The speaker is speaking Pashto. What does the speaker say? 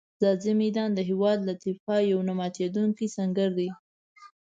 ځاځي میدان د هېواد له دفاع یو نه ماتېدونکی سنګر دی.